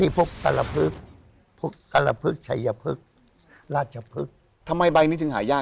นี่พวกกระละพึกพวกกระละพึกชัยพึกราชพึกทำไมใบนี้ถึงหายาก